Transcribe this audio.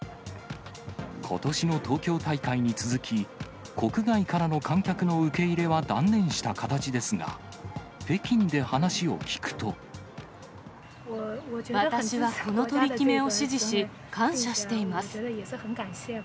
ことしの東京大会に続き、国外からの観客の受け入れは断念した形ですが、私はこの取り決めを支持し、感謝しています。